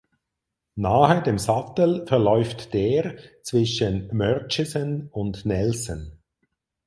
Nahe dem Sattel verläuft der zwischen Murchison und Nelson.